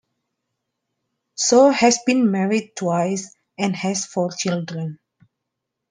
So has been married twice and has four children.